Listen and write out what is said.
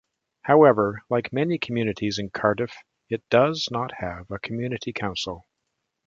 However, like many communities in Cardiff, it does not have a community council.